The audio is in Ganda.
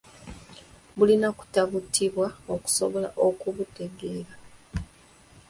Bulina kutaputibwa okusobola okubutegeera.